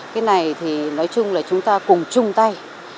cái này thì nói chung là chúng ta cùng chung tay